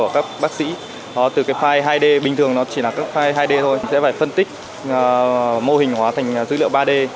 các bác sĩ từ cái file hai d bình thường nó chỉ là các f hai d thôi sẽ phải phân tích mô hình hóa thành dữ liệu ba d